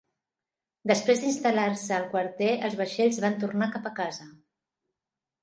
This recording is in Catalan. Després d'instal·lar-se al quarter, els vaixells van tornar cap a casa.